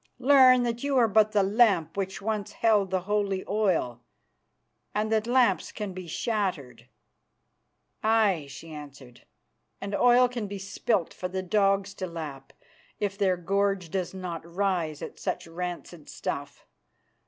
Learn that you are but the lamp which once held the holy oil, and that lamps can be shattered." "Aye," she answered, "and oil can be spilt for the dogs to lap, if their gorge does not rise at such rancid stuff.